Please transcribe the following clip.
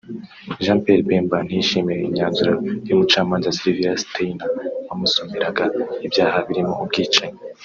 Jean Pierre Bemba ntiyishimiye imyanzuro y’umucamanza Sylvia Steiner wasomusomeraga ibyaha birimo ubwicanyi